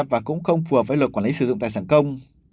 và cũng không phù hợp với luật quản lý sử dụng tài sản công